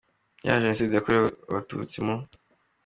ya jenoside yakorewe abatutsi mu.